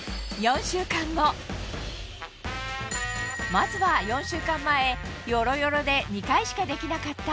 まずは４週間前ヨロヨロで２回しかできなかった